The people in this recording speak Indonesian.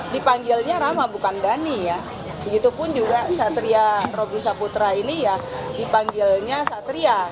dipanggilnya rama bukan gani ya begitu pun juga satria robi sabutra ini ya dipanggilnya satria